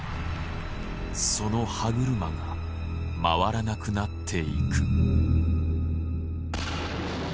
その歯車が回らなくなっていく。